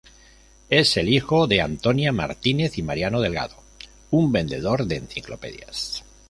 Es el hijo de Antonia Martínez y Mariano Delgado, un vendedor de enciclopedias.